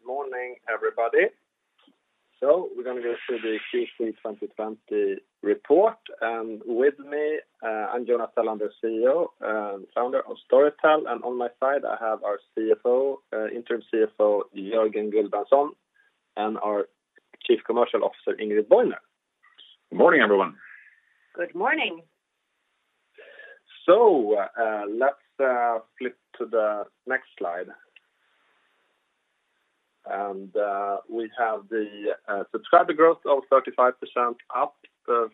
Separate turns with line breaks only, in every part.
Good morning, everybody. We're going to go through the Q3 2020 Report. With me, I'm Jonas Tellander, CEO and Founder of Storytel, and on my side, I have our Interim CFO, Jörgen Gullbrandson, and our Chief Commercial Officer, Ingrid Bojner.
Good morning, everyone.
Good morning.
Let's flip to the next slide. We have the subscriber growth of 35% up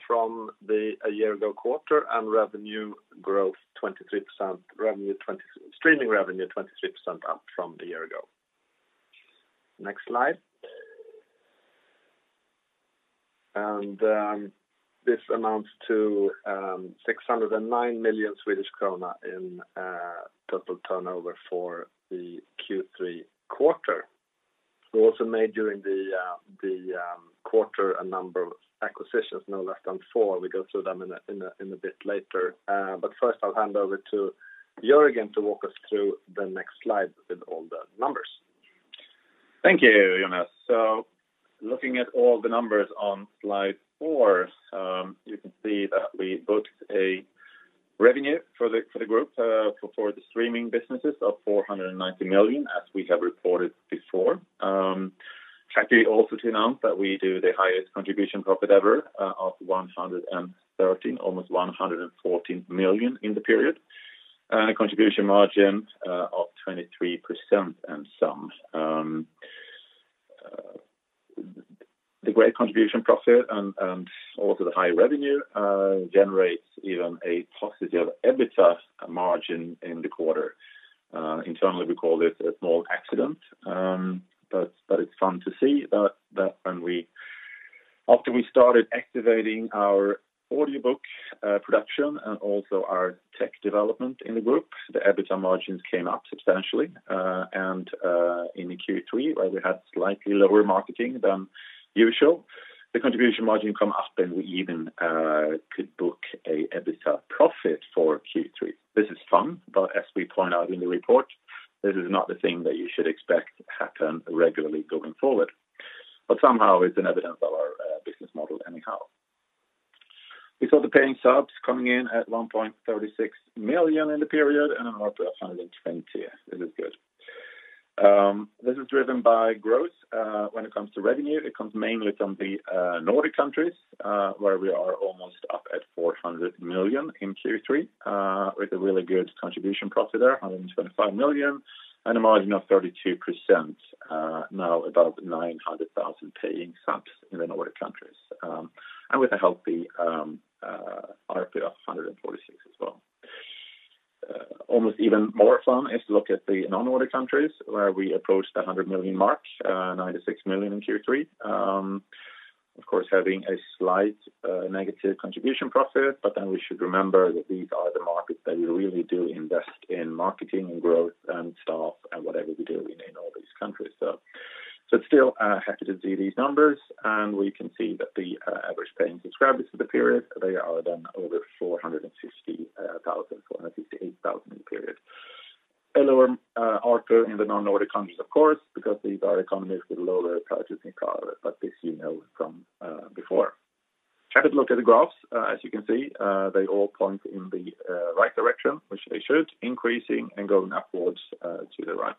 from the year ago quarter, revenue growth 23%, streaming revenue 23% up from the year ago. Next slide. This amounts to 609 million Swedish krona in total turnover for the Q3 quarter. We also made during the quarter a number of acquisitions, no less than four. We'll go through them in a bit later. First, I'll hand over to Jörgen to walk us through the next slide with all the numbers.
Thank you, Jonas. Looking at all the numbers on slide four, you can see that we booked a revenue for the group for the streaming businesses of 490 million, as we have reported before. Happy also to announce that we do the highest contribution profit ever of 113 million, almost 114 million in the period. A contribution margin of 23% and some. The great contribution profit and also the high revenue generates even a positive EBITDA margin in the quarter. Internally, we call this a small accident, but it's fun to see that after we started activating our audiobook production and also our tech development in the group, the EBITDA margins came up substantially. In Q3, where we had slightly lower marketing than usual, the contribution margin come up and we even could book a EBITDA profit for Q3. This is fun, as we point out in the report, this is not the thing that you should expect to happen regularly going forward. Somehow it's an evidence of our business model anyhow. We saw the paying subs coming in at 1.36 million in the period and an ARPU of 120. This is good. This is driven by growth. When it comes to revenue, it comes mainly from the Nordic countries, where we are almost up at 400 million in Q3 with a really good contribution profit there, 125 million and a margin of 32%. Above 900,000 paying subs in the Nordic countries. With a healthy ARPU of 146 as well. Almost even more fun is to look at the non-Nordic countries, where we approached the 100 million mark, 96 million in Q3. Of course, having a slight negative contribution profit, we should remember that these are the markets that we really do invest in marketing and growth and staff and whatever we do in all these countries. It's still happy to see these numbers, and we can see that the average paying subscribers for the period, they are then over 450,000, 458,000 in the period. A lower ARPU in the non-Nordic countries, of course, because these are economies with lower purchasing power, this you know from before. Happy to look at the graphs. You can see, they all point in the right direction, which they should, increasing and going upwards to the right.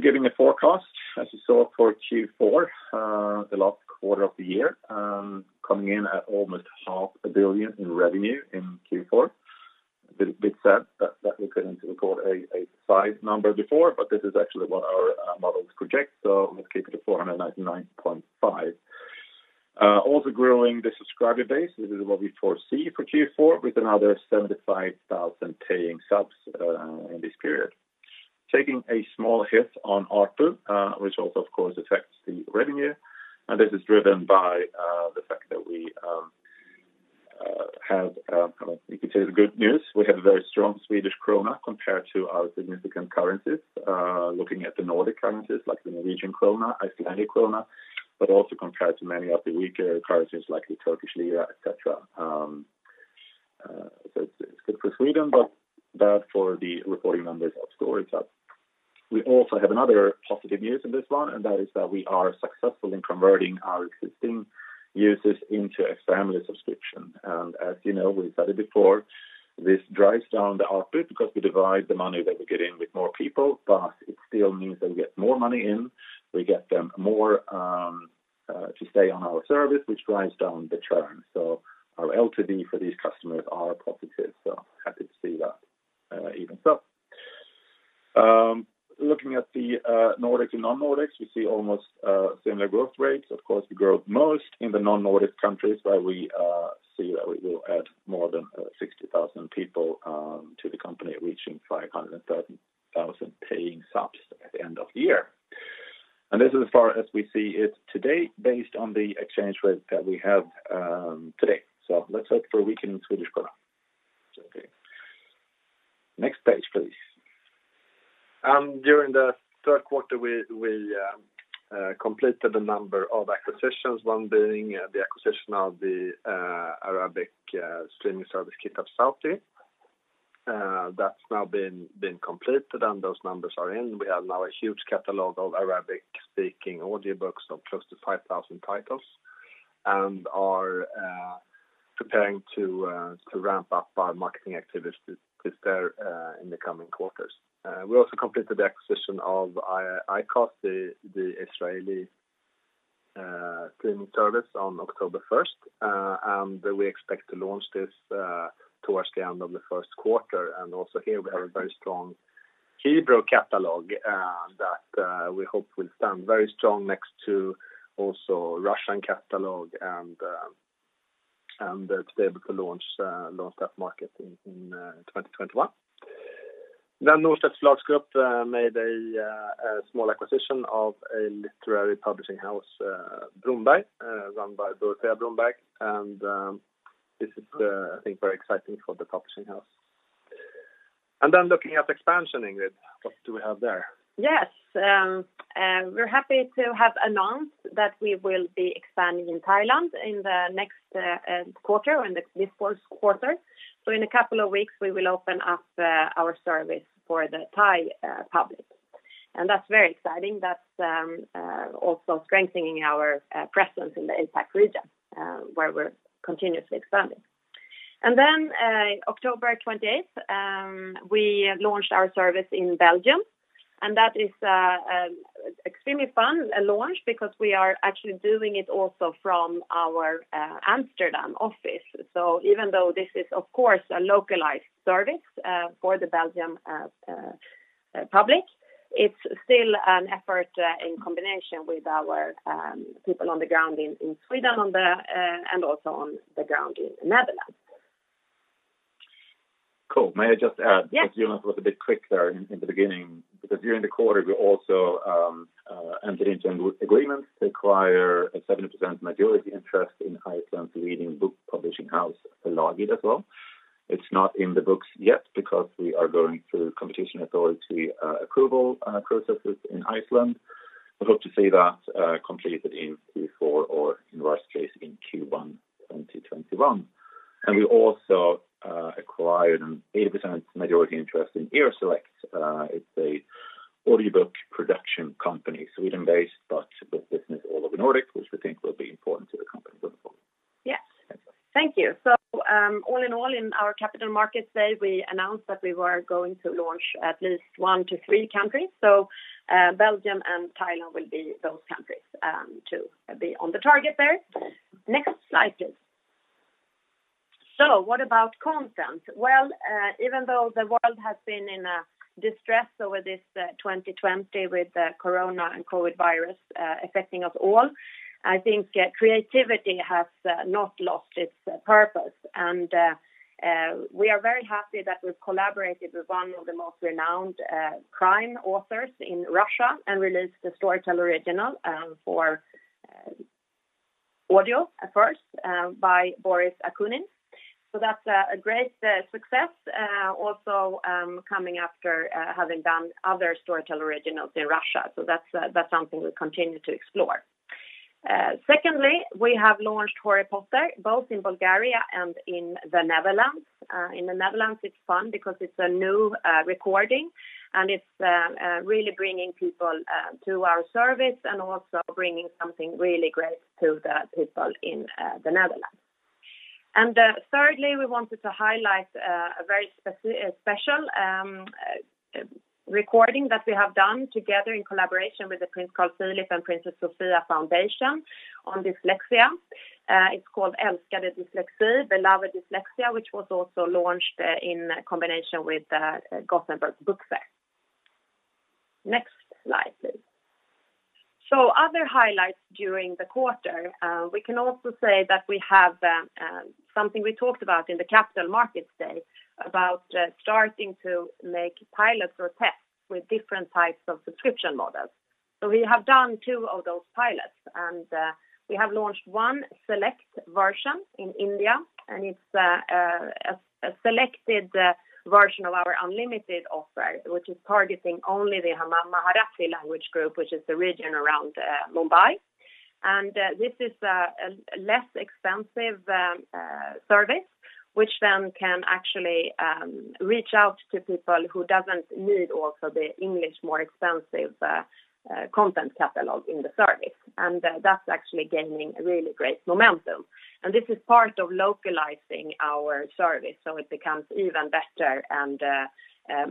Giving a forecast, you saw for Q4, the last quarter of the year, coming in at almost SEK half a billion in revenue in Q4. A bit sad that we couldn't record a five number before. This is actually what our models project. Let's keep it at 499.5. Growing the subscriber base. This is what we foresee for Q4 with another 75,000 paying subs in this period. Taking a small hit on ARPU, which also, of course, affects the revenue. This is driven by the fact that, you could say the good news, we have a very strong Swedish krona compared to our significant currencies. Looking at the Nordic currencies like the Norwegian krona, Icelandic krona, but also compared to many of the weaker currencies like the Turkish lira, et cetera. It's good for Sweden, but bad for the reporting numbers of Storytel. We also have another positive news in this one, and that is that we are successful in converting our existing users into a family subscription. As you know, we've said it before, this drives down the ARPU because we divide the money that we get in with more people, but it still means that we get more money in. We get them more to stay on our service, which drives down the churn. Our LTV for these customers are positive. Happy to see that even. Looking at the Nordic and non-Nordics, we see almost similar growth rates. Of course, we grow most in the non-Nordic countries where we see that we will add more than 60,000 people to the company reaching 530,000 paying subs at the end of the year. This is as far as we see it today based on the exchange rate that we have today. Let's hope for a weakening Swedish krona. It's okay. Next page, please. During the Q3, we completed a number of acquisitions, one being the acquisition of the Arabic streaming service Kitab Sawti. That's now been completed, those numbers are in. We have now a huge catalog of Arabic-speaking audiobooks of close to 5,000 titles, are preparing to ramp up our marketing activities there in the coming quarters. We also completed the acquisition of iCast, the Israeli streaming service, on October 1st. We expect to launch this towards the end of the first quarter. Also here we have a very strong Hebrew catalog that we hope will stand very strong next to also Russian catalog to be able to launch that market in 2021. Norstedts Förlagsgrupp made a small acquisition of a literary publishing house, Brunberg, run by Dorthea Brunberg. This is, I think, very exciting for the publishing house. Looking at expansion, Ingrid, what do we have there?
Yes. We're happy to have announced that we will be expanding in Thailand in the next quarter or this Q4. In a couple of weeks, we will open up our service for the Thai public, and that's very exciting. That's also strengthening our presence in the APAC region where we're continuously expanding. On October 20th, we launched our service in Belgium, and that is extremely fun launch because we are actually doing it also from our Amsterdam office. Even though this is of course a localized service for the Belgium public, it's still an effort in combination with our people on the ground in Sweden and also on the ground in the Netherlands.
Cool.
Yes
Jonas was a bit quick there in the beginning. During the quarter, we also entered into an agreement to acquire a 70% majority interest in Iceland's leading book publishing house, Forlagið, as well. It's not in the books yet because we are going through competition authority approval processes in Iceland. We hope to see that completed in Q4 or in the worst case in Q1 2021. We also acquired an 80% majority interest in Earselect. It's a audiobook production company, Sweden-based, but with business all over Nordic, which we think will be important to the company going forward.
Yes. Thank you. All in all, in our Capital Markets Day, we announced that we were going to launch at least one to three countries. Belgium and Thailand will be those countries to be on the target there. Next slide, please. What about content? Well, even though the world has been in distress over this 2020 with Corona and COVID virus affecting us all, I think creativity has not lost its purpose. We are very happy that we've collaborated with one of the most renowned crime authors in Russia and released a Storytel Originals for audio at first by Boris Akunin. That's a great success also coming after having done other Storytel Originals in Russia. That's something we'll continue to explore. Secondly, we have launched "Harry Potter," both in Bulgaria and in the Netherlands. In the Netherlands, it's fun because it's a new recording, and it's really bringing people to our service and also bringing something really great to the people in the Netherlands. Thirdly, we wanted to highlight a very special recording that we have done together in collaboration with the Prince Carl Philip and Princess Sofia's Foundation on dyslexia. It's called "Älskade dyslexi," "Beloved Dyslexia," which was also launched in combination with Gothenburg Book Fair. Next slide, please. Other highlights during the quarter. We can also say that we have something we talked about in the Capital Markets Day about starting to make pilots or tests with different types of subscription models. We have done two of those pilots. We have launched one select version in India. It's a selected version of our unlimited offer, which is targeting only the Marathi language group, which is the region around Mumbai. This is a less expensive service, which then can actually reach out to people who doesn't need also the English more expensive content catalog in the service. That's actually gaining really great momentum. This is part of localizing our service so it becomes even better and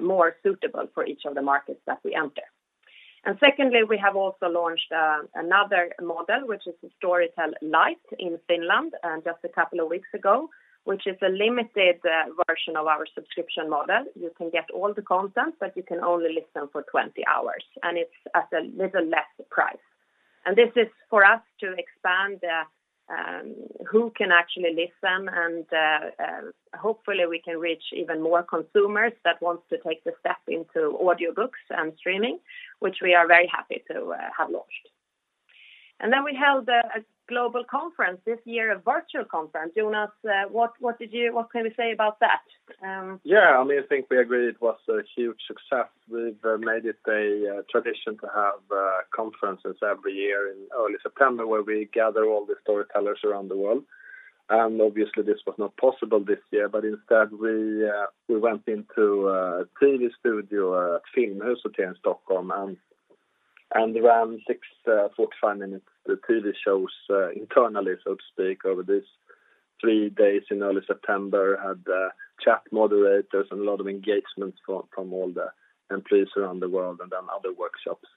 more suitable for each of the markets that we enter. Secondly, we have also launched another model, which is the Storytel Lite in Finland just a couple of weeks ago, which is a limited version of our subscription model. You can get all the content, but you can only listen for 20 hours. It's at a little less price. This is for us to expand who can actually listen, and hopefully we can reach even more consumers that want to take the step into audiobooks and streaming, which we are very happy to have launched. Then we held a global conference this year, a virtual conference. Jonas, what can you say about that?
I think we agreed it was a huge success. We've made it a tradition to have conferences every year in early September, where we gather all the Storytellers around the world. Obviously, this was not possible this year. Instead, we went into a TV studio, Filmhuset here in Stockholm, and ran six 45-minutes TV shows internally, so to speak, over these three days in early September. We had chat moderators and a lot of engagement from all the employees around the world, and then other workshops.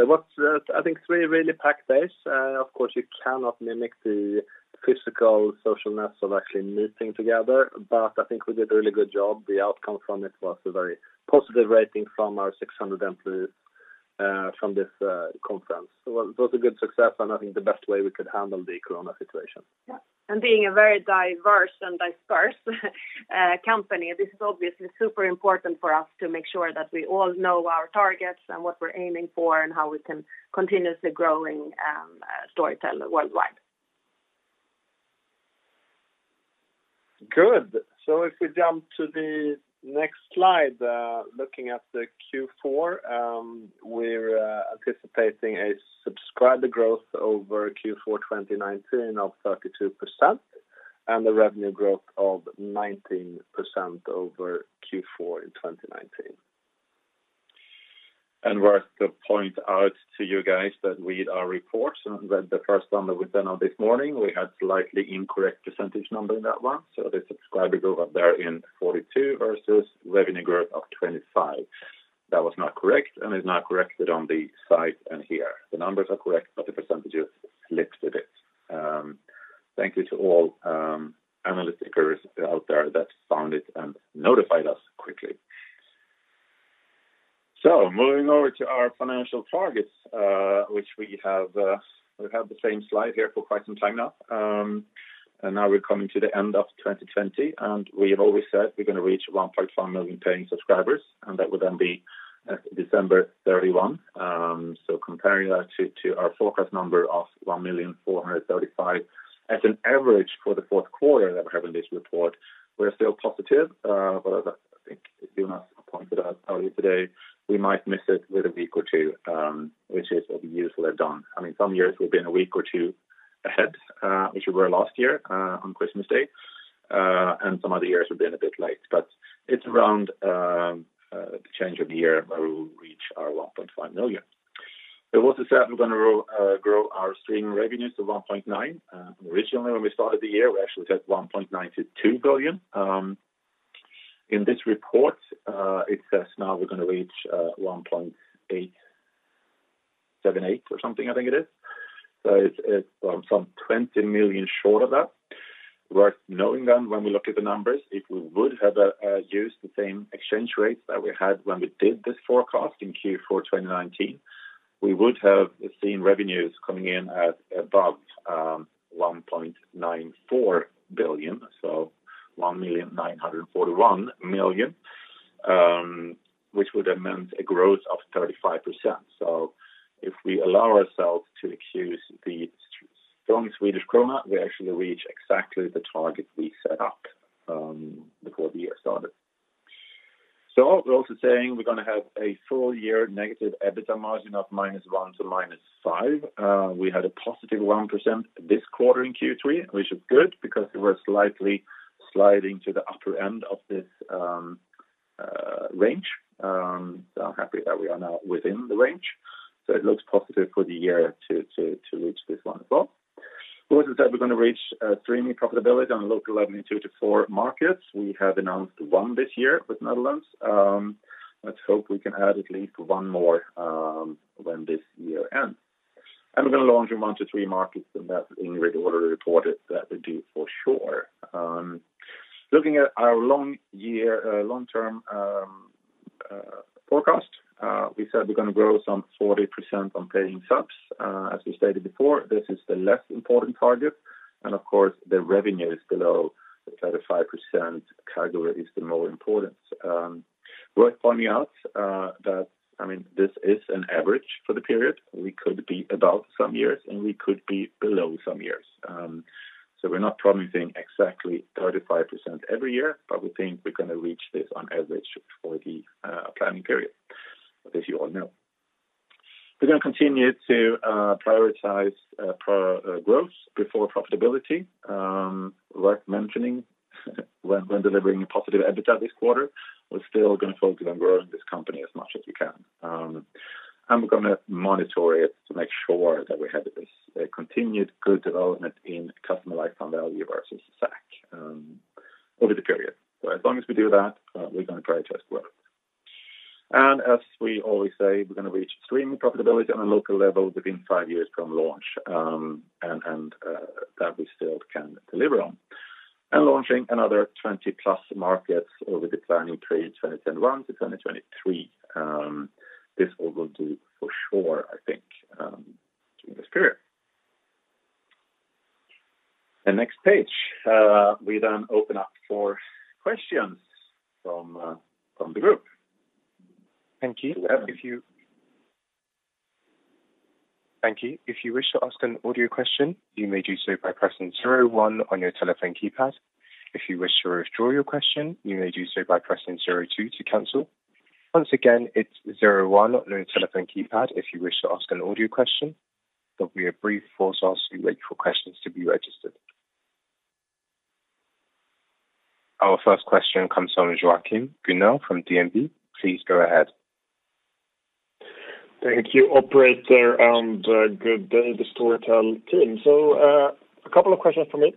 It was, I think, three really packed days. Of course, you cannot mimic the physical socialness of actually meeting together, but we did a really good job. The outcome from it was a very positive rating from our 600 employees from this conference. It was a good success, and the best way we could handle the COVID situation.
Yeah. Being a very diverse and disperse company, this is obviously super important for us to make sure that we all know our targets and what we're aiming for and how we can continuously growing Storytel worldwide.
Good. If we jump to the next slide, looking at the Q4, we are anticipating a subscriber growth over Q4 2019 of 32%, and a revenue growth of 19% over Q4 in 2019. Worth to point out to you guys that read our reports, that the first one that we sent out this morning, we had slightly incorrect percentage number in that one. The subscriber growth up there in 42% versus revenue growth of 25%. That was not correct, and is now corrected on the site and here. The numbers are correct, but the percentages slipped a bit. Thank you to all analysts out there that found it and notified us quickly. Moving over to our financial targets, which we have had the same slide here for quite some time now. Now we're coming to the end of 2020, and we have always said we're going to reach 1.5 million paying subscribers, and that will then be December 31. Comparing that to our forecast number of 1,000,435 as an average for the Q4 that we have in this report, we're still positive. I think as Jonas pointed out earlier today, we might miss it with a week or two, which is usually done. Some years we've been a week or two ahead, which we were last year on Christmas Day. Some other years we've been a bit late. It's around the change of the year where we'll reach our 1.5 million. We also said we're going to grow our streaming revenue to 1.9 billion. Originally, when we started the year, we actually said 1.92 billion. In this report, it says now we're going to reach 1.878 or something, I think it is. It's some 20 million short of that. Worth knowing when we look at the numbers, if we would have used the same exchange rates that we had when we did this forecast in Q4 2019, we would have seen revenues coming in at above 1.94 billion. 1,941 million, which would have meant a growth of 35%. If we allow ourselves to excuse the strong SEK, we actually reach exactly the target we set up before the year started. We're also saying we're going to have a full year negative EBITDA margin of -1% to -5%. We had a positive 1% this quarter in Q3, which is good because we were slightly sliding to the upper end of this range. I'm happy that we are now within the range. It looks positive for the year to reach this one as well. We also said we're going to reach streaming profitability on a local level in two to four markets. We have announced one this year with Netherlands. Let's hope we can add at least one more when this year ends. We're going to launch in one to three markets, and that's already reported that we do for sure. Looking at our long-term forecast, we said we're going to grow some 40% on paying subs. As we stated before, this is the less important target. Of course, the revenue is below the 35% CAGR is the more important. Worth pointing out that this is an average for the period. We could be above some years and we could be below some years. We're not promising exactly 35% every year, but we think we're going to reach this on average for the planning period. As you all know. We're going to continue to prioritize growth before profitability. Worth mentioning, when delivering a positive EBITDA this quarter, we're still going to focus on growing this company as much as we can. We're going to monitor it to make sure that we have this continued good development in Customer Lifetime Value versus SAC over the period. As long as we do that, we're going to prioritize growth. As we always say, we're going to reach streaming profitability on a local level within five years from launch, and that we still can deliver on, launching another 20-plus markets over the planning period 2021 to 2023. This all we'll do for sure, I think, in this period. Next page. We open up for questions from the group.
Thank you. If you wish to ask an audio question, you may do so by pressing zero one on your telephone keypad. If you wish to withdraw your question, you may do so by pressing zero two to cancel. Once again, it's zero one on your telephone keypad if you wish to ask an audio question. There will be a brief pause while we wait for questions to be registered. Our first question comes from Joakim Gunell from DNB. Please go ahead.
Thank you, operator, and good day, the Storytel team. A couple of questions from me.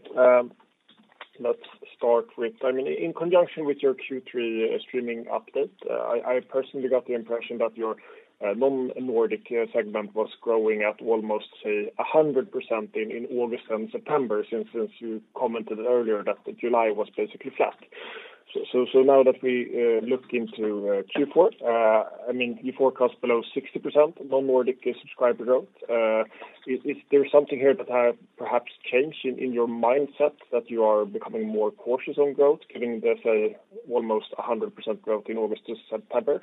Let's start with, in conjunction with your Q3 streaming update, I personally got the impression that your non-Nordic segment was growing at almost, say, 100% in August and September, since you commented earlier that July was basically flat. Now that we look into Q4, you forecast below 60% non-Nordic subscriber growth. Is there something here that has perhaps changed in your mindset that you are becoming more cautious on growth, given the, say, almost 100% growth in August to September?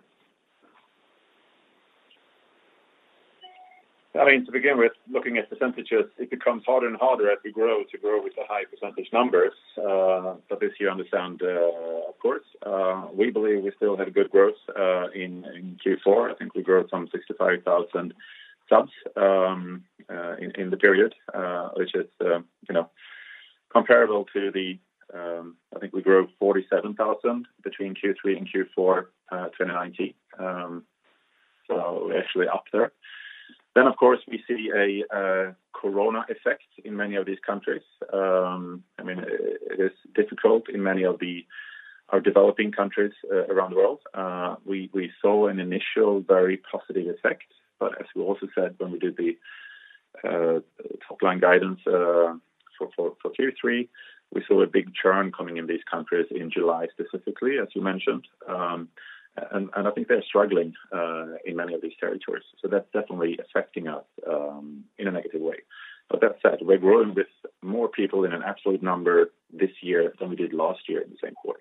To begin with, looking at the percentages, it becomes harder and harder as we grow to grow with the high percentage numbers. This you understand, of course. We believe we still had good growth in Q4. We grew some 65,000 subs in the period, which is comparable to the I think we grew 47,000 between Q3 and Q4 2019. Actually up there. Of course, we see a Corona effect in many of these countries. It is difficult in many of our developing countries around the world. We saw an initial very positive effect. As we also said when we did the top-line guidance for Q3, we saw a big churn coming in these countries in July specifically, as you mentioned. I think they're struggling in many of these territories. That's definitely affecting us in a negative way. That said, we're growing with more people in an absolute number this year than we did last year in the same quarter.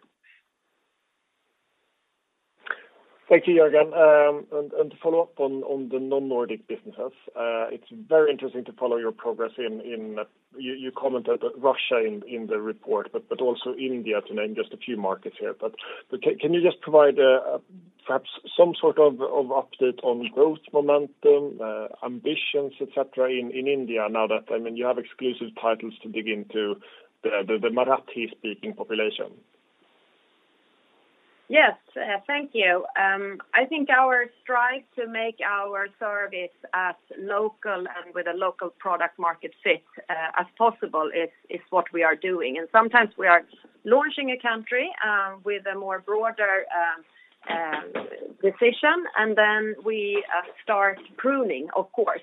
Thank you, Jörgen. To follow up on the non-Nordic businesses, it's very interesting to follow your progress. You commented Russia in the report, but also India, to name just a few markets here. Can you just provide perhaps some sort of update on growth momentum, ambitions, et cetera, in India now that you have exclusive titles to dig into the Marathi-speaking population?
Yes. Thank you. Our strive to make our service as local and with a local product market fit as possible is what we are doing. Sometimes we are launching a country with a more broader decision, then we start pruning, of course.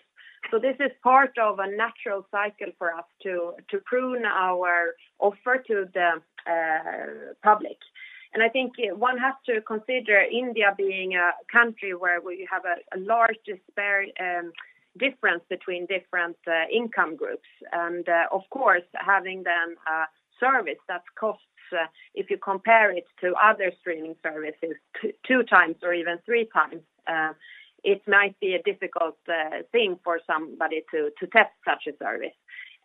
This is part of a natural cycle for us to prune our offer to the public. I think one has to consider India being a country where we have a large disparity difference between different income groups. Of course, having then a service that costs, if you compare it to other streaming services, two times or even three times, it might be a difficult thing for somebody to test such a service.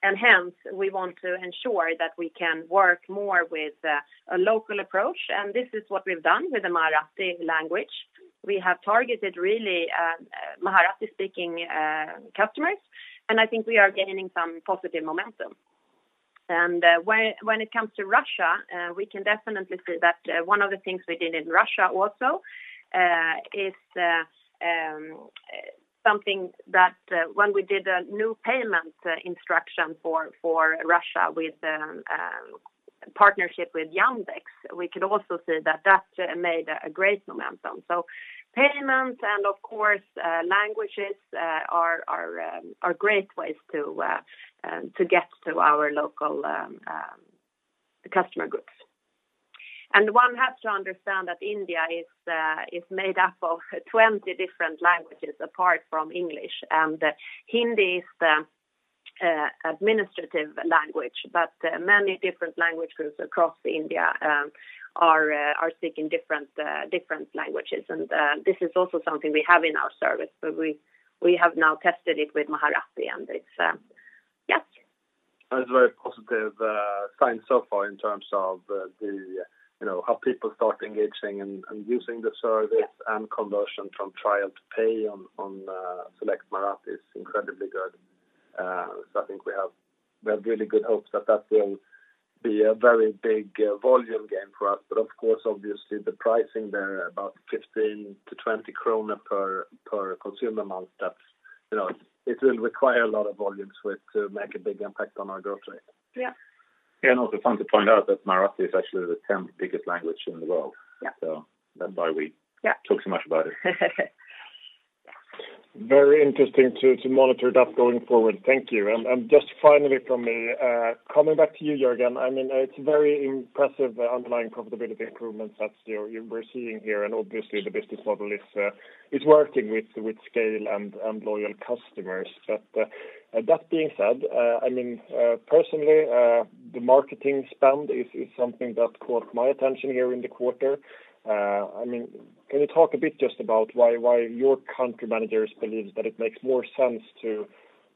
Hence, we want to ensure that we can work more with a local approach, and this is what we've done with the Marathi language. We have targeted really Marathi-speaking customers, I think we are gaining some positive momentum. When it comes to Russia, we can definitely say that one of the things we did in Russia also is something that when we did a new payment instruction for Russia with partnership with Yandex, we could also see that that made a great momentum. Payments and of course, languages are great ways to get to our local customer groups. One has to understand that India is made up of 20 different languages apart from English, and Hindi is the administrative language. Many different language groups across India are speaking different languages. This is also something we have in our service. We have now tested it with Marathi.
That's a very positive sign so far in terms of how people start engaging and using the service and conversion from trial to pay on Storytel Select Marathi is incredibly good. I think we have really good hopes that that will be a very big volume game for us. Of course, obviously the pricing there about 15-20 krona per consumer month, it will require a lot of volumes to make a big impact on our growth rate. Also fun to point out that Marathi is actually the 10th biggest language in the world.
Yeah.
So thereby we talk so much about it.
Very interesting to monitor that going forward. Thank you. Just finally from me, coming back to you, Jörgen. It is very impressive underlying profitability improvements that we are seeing here, and obviously the business model is working with scale and loyal customers. That being said, personally, the marketing spend is something that caught my attention here in the quarter. Can you talk a bit just about why your country managers believe that it makes more sense to,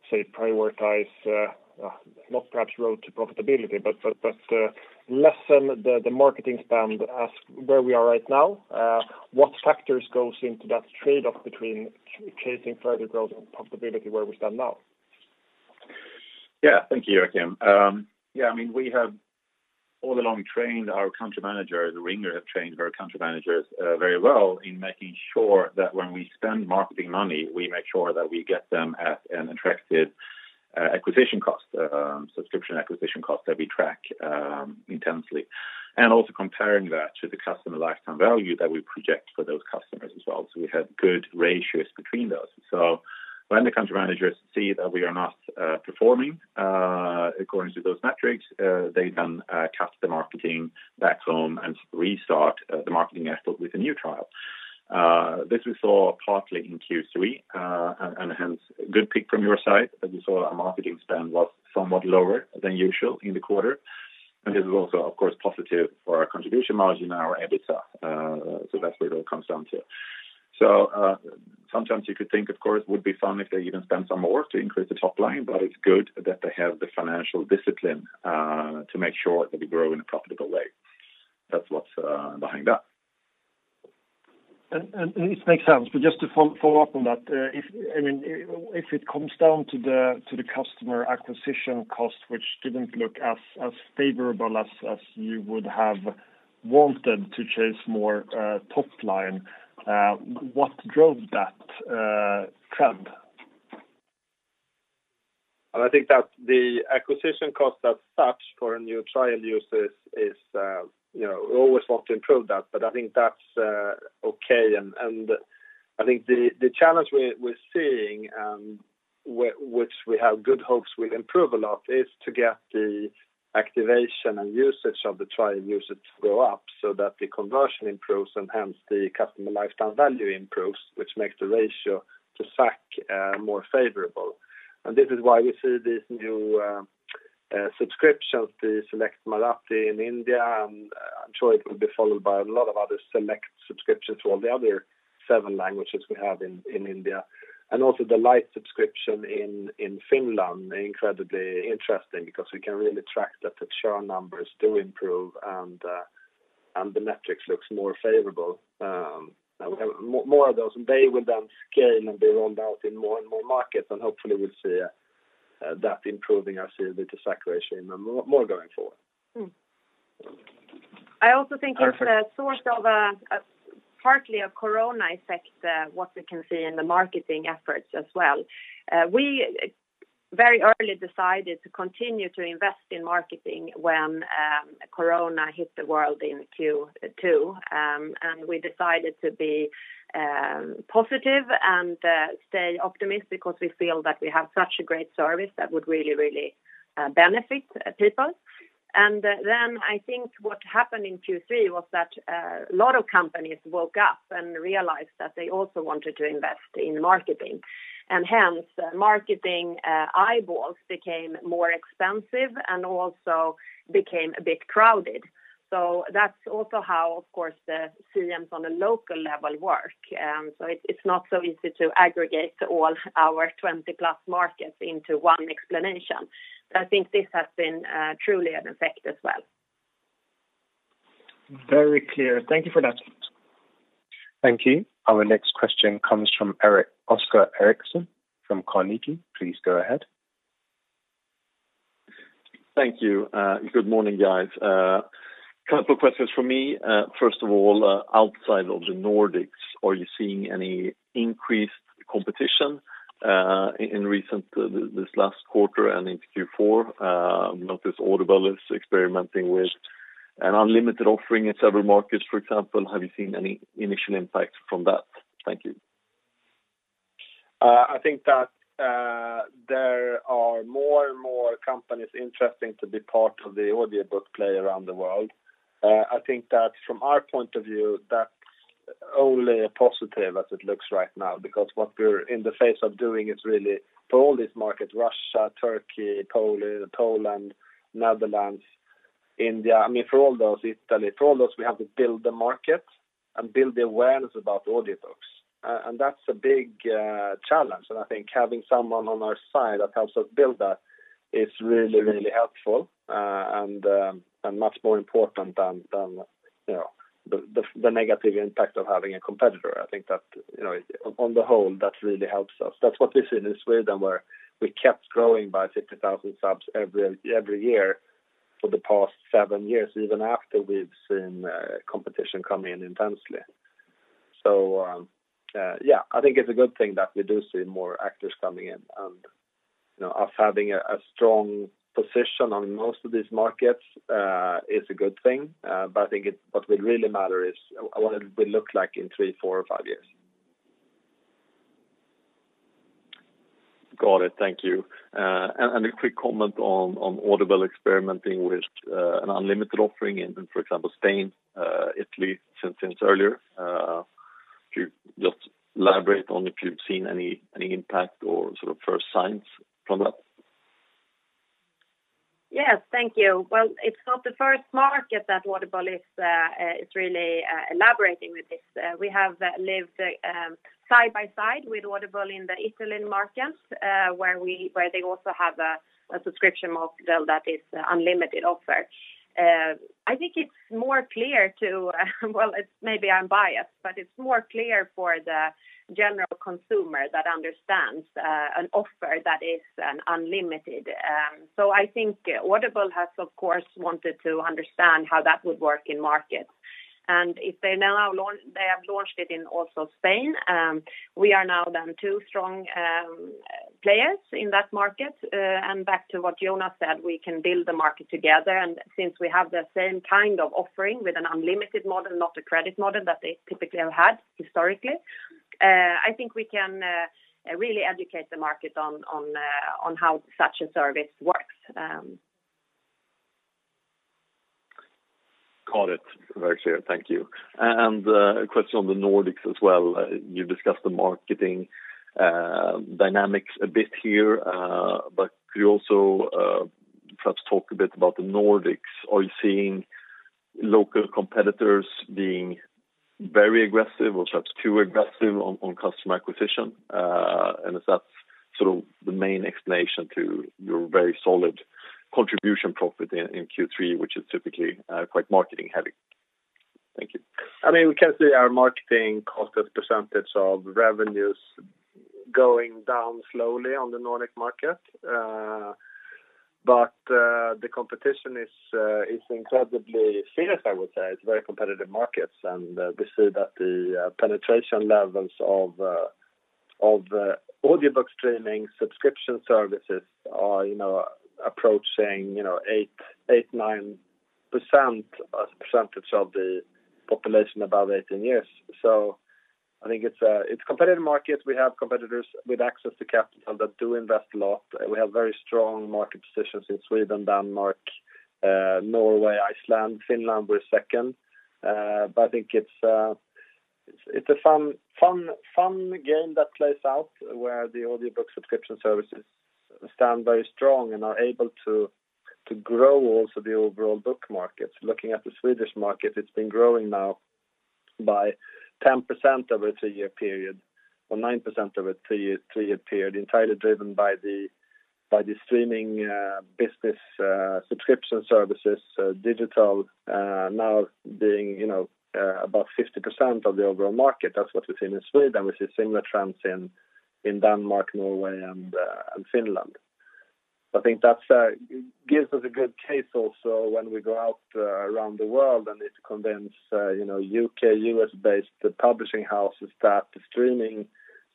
say, prioritize, not perhaps road to profitability, but lessen the marketing spend as where we are right now? What factors goes into that trade-off between chasing further growth and profitability where we stand now?
Yeah. Thank you, Joakim Gunell. We have all along trained our country managers. Ringer have trained our country managers very well in making sure that when we spend marketing money, we make sure that we get them at an attractive subscription acquisition cost that we track intensely. Also comparing that to the customer lifetime value that we project for those customers as well. We have good ratios between those. When the country managers see that we are not performing according to those metrics, they then cut the marketing back home and restart the marketing effort with a new trial. This we saw partly in Q3, and hence good pick from your side. As you saw, our marketing spend was somewhat lower than usual in the quarter, and this is also, of course, positive for our contribution margin and our EBITDA. That's where it all comes down to. Sometimes you could think, of course, would be fun if they even spend some more to increase the top line, but it's good that they have the financial discipline to make sure that we grow in a profitable way. That's what's behind that.
It makes sense. Just to follow up on that. If it comes down to the customer acquisition cost, which didn't look as favorable as you would have wanted to chase more top line. What drove that trend?
That the acquisition cost as such for a new trial user is-- we always want to improve that, but that's okay. I think the challenge we're seeing, which we have good hopes will improve a lot, is to get the activation and usage of the trial user to go up so that the conversion improves and hence the Customer Lifetime Value improves, which makes the ratio to SAC more favorable. This is why we see these new subscriptions, the Storytel Select Marathi in India, and I'm sure it will be followed by a lot of other select subscriptions to all the other seven languages we have in India. Also the Storytel Lite subscription in Finland, incredibly interesting because we can really track that the churn numbers do improve and the metrics looks more favorable. We have more of those, and they will then scale and be rolled out in more and more markets, and hopefully we'll see that improving our CLV to SAC ratio more going forward.
I also think there's sort of partly a Corona effect, what we can see in the marketing efforts as well. We very early decided to continue to invest in marketing when Corona hit the world in Q2, and we decided to be positive and stay optimistic because we feel that we have such a great service that would really benefit people. I think what happened in Q3 was that a lot of companies woke up and realized that they also wanted to invest in marketing. Hence marketing eyeballs became more expensive and also became a bit crowded. That's also how, of course, the CMs on a local level work. It's not so easy to aggregate all our 20 plus markets into one explanation, but I think this has been truly an effect as well.
Very clear. Thank you for that.
Thank you. Our next question comes from Oskar Eriksson from Carnegie. Please go ahead.
Thank you. Good morning, guys. Couple of questions from me. First of all, outside of the Nordics, are you seeing any increased competition in this last quarter and into Q4? I've noticed Audible is experimenting with an unlimited offering in several markets, for example. Have you seen any initial impact from that? Thank you.
I think that there are more and more companies interesting to be part of the audiobook play around the world. That from our point of view, that's only a positive as it looks right now because what we're in the phase of doing is really for all these markets, Russia, Turkey, Poland, Netherlands, India, Italy. For all those, we have to build the market and build the awareness about audiobooks. That's a big challenge. Having someone on our side that helps us build that is really helpful, and much more important than the negative impact of having a competitor.
I think that on the whole, that really helps us. That's what we see in Sweden, where we kept growing by 50,000 subs every year for the past seven years, even after we've seen competition come in intensely. Yeah, it's a good thing that we do see more actors coming in. Of having a strong position on most of these markets is a good thing. What will really matter is what it will look like in three, four or five years.
Got it. Thank you. A quick comment on Audible experimenting with an unlimited offering in, for example, Spain, Italy since earlier. Could you just elaborate on if you've seen any impact or sort of first signs from that?
Yes. Thank you. Well, it's not the first market that Audible is really elaborating with this. We have lived side by side with Audible in the Italian markets where they also have a subscription model that is unlimited offer. It's more clear to well, maybe I'm biased, but it's more clear for the general consumer that understands an offer that is an unlimited. I think Audible has, of course, wanted to understand how that would work in markets. If they have launched it in also Spain, we are now then two strong players in that market. Back to what Jonas said, we can build the market together, and since we have the same kind of offering with an unlimited model, not a credit model that they typically have had historically, we can really educate the market on how such a service works.
Got it. Very clear. Thank you. A question on the Nordics as well. You discussed the marketing dynamics a bit here, but could you also perhaps talk a bit about the Nordics? Are you seeing local competitors being very aggressive or perhaps too aggressive on customer acquisition? If that's sort of the main explanation to your very solid contribution profit in Q3, which is typically quite marketing heavy. Thank you.
I mean, we can say our marketing cost as percentage of revenues going down slowly on the Nordic market. The competition is incredibly fierce, I would say. It's very competitive markets, and we see that the penetration levels of audiobook streaming subscription services are approaching 8%, 9% as a percentage of the population above 18 years. It's a competitive market. We have competitors with access to capital that do invest a lot. We have very strong market positions in Sweden, Denmark, Norway, Iceland, Finland, we're second. I think it's a fun game that plays out where the audiobook subscription services stand very strong and are able to grow also the overall book markets. Looking at the Swedish market, it's been growing now by 10% over a three-year period, or 9% over a three-year period, entirely driven by the streaming business subscription services, digital now being about 50% of the overall market. That's what we've seen in Sweden. We see similar trends in Denmark, Norway and Finland. I think that gives us a good case also when we go out around the world and need to convince U.K., U.S.-based publishing houses that the streaming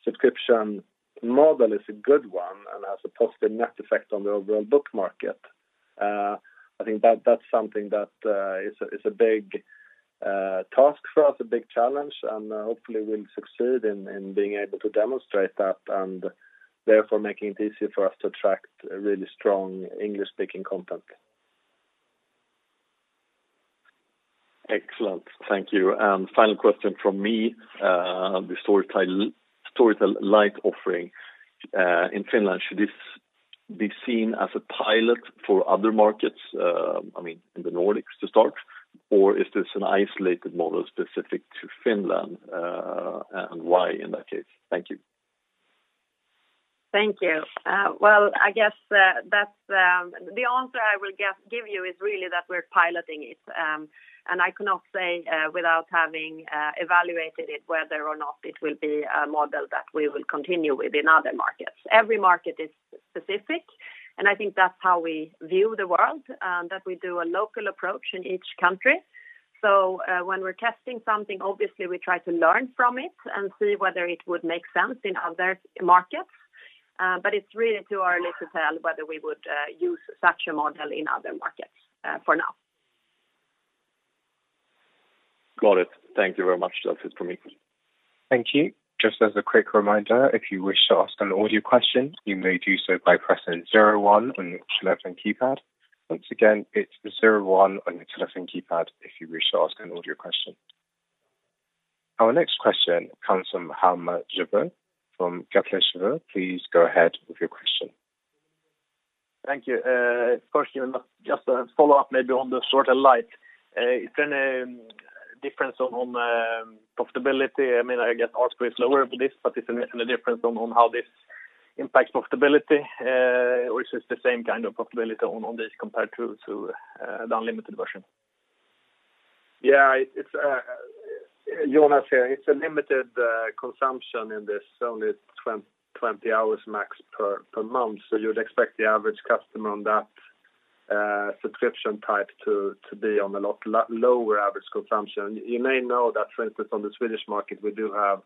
subscription model is a good one and has a positive net effect on the overall book market. That's something that is a big task for us, a big challenge, and hopefully we'll succeed in being able to demonstrate that and therefore making it easier for us to attract really strong English-speaking content.
Excellent. Thank you. Final question from me. The Storytel Lite offering in Finland, should this be seen as a pilot for other markets, I mean, in the Nordics to start, or is this an isolated model specific to Finland? Why in that case? Thank you.
Thank you. Well, I guess, the answer I will give you is really that we're piloting it. I cannot say without having evaluated it, whether or not it will be a model that we will continue with in other markets. Every market is specific, and I think that's how we view the world, that we do a local approach in each country. When we're testing something, obviously we try to learn from it and see whether it would make sense in other markets. It's really too early to tell whether we would use such a model in other markets for now.
Got it. Thank you very much. That's it from me.
Our next question comes from Armand Jabut from Cathay. Please go ahead with your question.
Thank you. First, just a follow-up maybe on the Storytel Lite. Is there any difference on profitability? I mean, I guess, ARPU is lower for this, but is there any difference on how this impacts profitability? Or is this the same kind of profitability on this compared to the unlimited version?
Yeah. Jonas here. It's a limited consumption in this, only 20 hours max per month. You'd expect the average customer on that subscription type to be on a lot lower average consumption. You may know that, for instance, on the Swedish market, we do have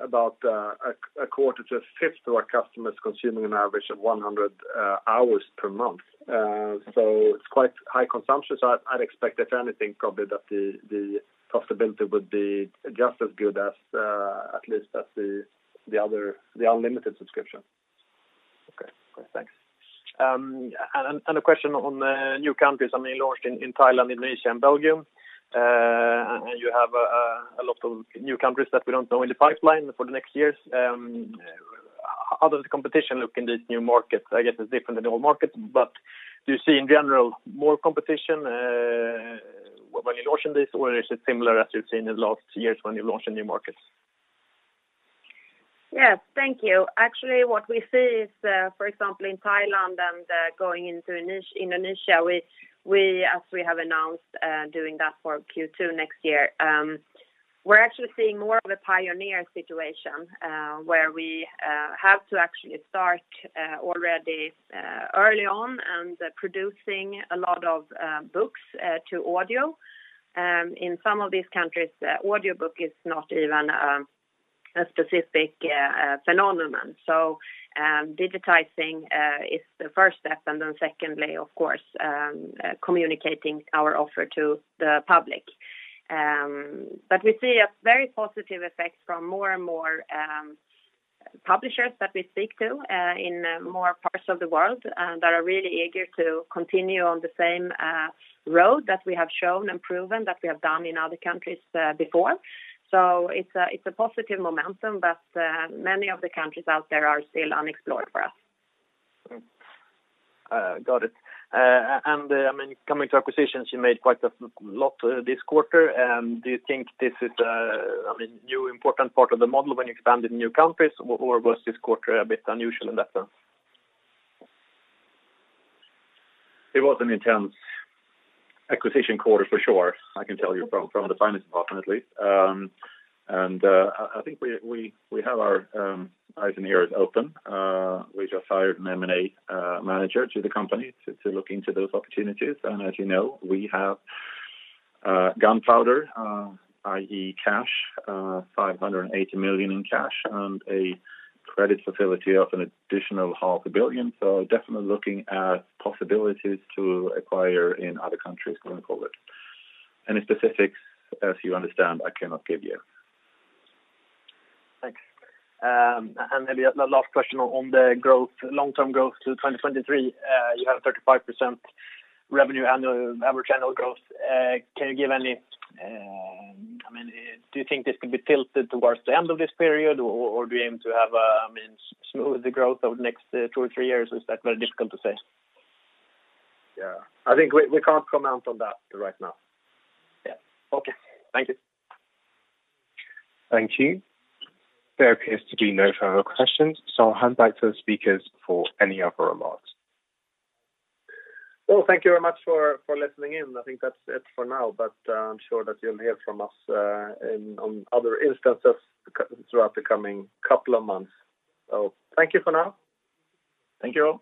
about a quarter to a fifth of our customers consuming an average of 100 hours per month. It's quite high consumption. I'd expect, if anything, probably that the profitability would be just as good as at least as the unlimited subscription.
Okay. Thanks. A question on new countries. You launched in Thailand, Indonesia, and Belgium. You have a lot of new countries that we don't know in the pipeline for the next years. How does the competition look in these new markets? I guess it's different than old markets, but do you see in general more competition when you're launching this? Or is it similar as you've seen in the last years when you launched in new markets?
Yes. Thank you. Actually, what we see is, for example, in Thailand and going into Indonesia, as we have announced doing that for Q2 next year. We're actually seeing more of a pioneer situation where we have to actually start already early on and producing a lot of books to audio. In some of these countries, audiobook is not even a specific phenomenon. Digitizing is the first step, and then secondly, of course, communicating our offer to the public. We see a very positive effect from more and more publishers that we speak to in more parts of the world that are really eager to continue on the same road that we have shown and proven that we have done in other countries before. It's a positive momentum, but many of the countries out there are still unexplored for us.
Got it. Coming to acquisitions, you made quite a lot this quarter. Do you think this is a new important part of the model when you expanded new countries, or was this quarter a bit unusual in that sense?
It was an intense acquisition quarter for sure, I can tell you from the finance department at least. I think we have our eyes and ears open. We just hired an M&A manager to the company to look into those opportunities. As you know, we have gunpowder i.e. cash, 580 million in cash and a credit facility of an additional half a billion SEK. Definitely looking at possibilities to acquire in other countries going forward. Any specifics, as you understand, I cannot give you.
Thanks. Maybe a last question on the long-term growth to 2023. You have 35% revenue average annual growth. Do you think this could be tilted towards the end of this period, or do you aim to have a smoother growth over the next two or three years? Is that very difficult to say?
Yeah, I think we can't comment on that right now.
Yeah. Okay. Thank you.
Thank you. There appears to be no further questions. I'll hand back to the speakers for any other remarks.
Well, thank you very much for listening in. I think that's it for now, but I'm sure that you'll hear from us on other instances throughout the coming couple of months. Thank you for now.
Thank you all.